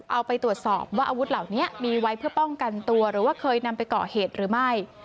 เอาไปตรวจสอบว่าอาวุธเหล่านี้มีไว้เพื่อป้องกันตัวหรือว่าเคยนำไปก่อเหตุหรือไม่